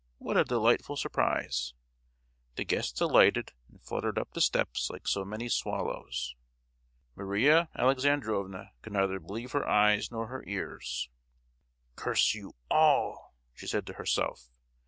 What a delightful surprise." The guests alighted and fluttered up the steps like so many swallows. Maria Alexandrovna could neither believe her eyes nor her ears. "Curse you all!" she said to herself.